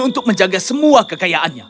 untuk menjaga semua kekayaannya